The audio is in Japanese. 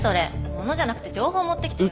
物じゃなくて情報持ってきてよ。